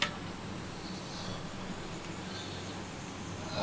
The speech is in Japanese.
あ。